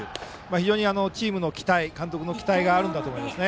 非常にチームの期待監督の期待があるんだと思います。